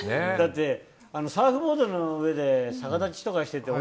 だって、サーフボードの上で逆立ちとかしてて。